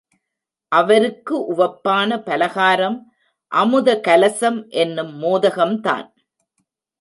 அவருக்கு உவப்பான பலகாரம் அமுதகலசம் என்னும் மோதகம் தான்.